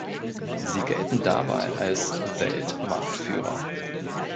Sie gelten dabei als Weltmarktführer.